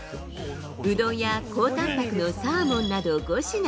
うどんや高たんぱくのサーモンなど５品。